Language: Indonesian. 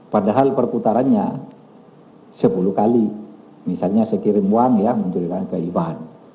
padahal perputarannya sepuluh kali misalnya saya kirim uang ya mencurikan ke hibahan